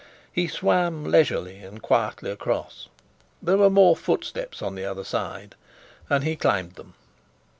He swam leisurely and quietly across. There were more steps up on the other side, and he climbed them.